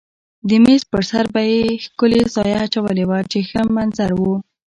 د مېز پر سر به یې ښکلې سایه اچولې وه چې ښه منظر و.